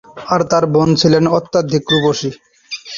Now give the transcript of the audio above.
আর তার বোন ছিল অত্যধিক রূপসী।